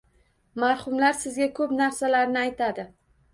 Marhumlar sizga ko’p narsalarni aytadi.